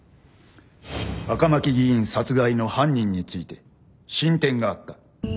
赤巻議員殺害の犯人について進展があった。